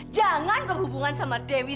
jangan berhubungan sama dewi